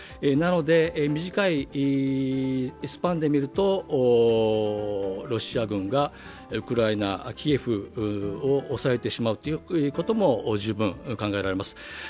なので短いスパンで見るとロシア軍がウクライナ、キエフを押さえてしまうことも十分考えられます。